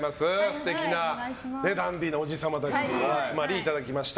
素敵なダンディーなおじ様たちにお集まりいただきました。